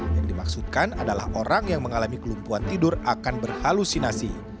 yang dimaksudkan adalah orang yang mengalami kelumpuhan tidur akan berhalusinasi